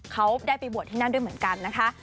เขาได้ไปบวชที่นั่นด้วยเหมือนกันนะคะ